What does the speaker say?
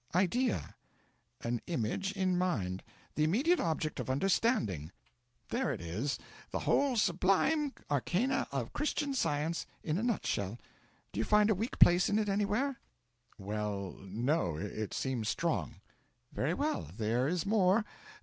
IDEA An image in Mind; the immediate object of understanding. There it is the whole sublime Arcana of Christian Science in a nutshell. Do you find a weak place in it anywhere?' 'Well no; it seems strong.' 'Very well. There is more.